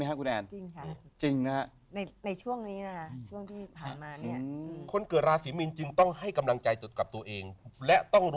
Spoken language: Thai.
อันนี้จริงไหมครับคุณแอน